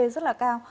rất là cao